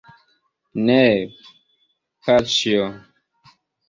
Ne, paĉjo.